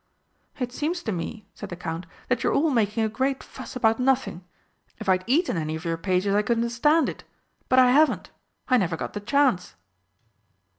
"It seems to me," said the Count, "that you are all making a great fuss about nothing. If I'd eaten any of your pages I could understand it. But I haven't I never got the chance."